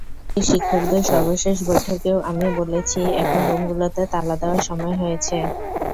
আবাসিক শিক্ষকদের সর্বশেষ বৈঠকেও আমি বলেছি, এখন রুমগুলোতে তালা দেওয়ার সময় হয়েছে।